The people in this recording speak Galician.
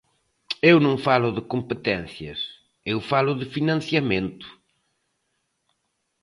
Eu non falo de competencias, eu falo de financiamento.